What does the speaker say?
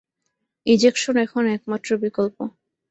Ejection এখন একমাত্র বিকল্প।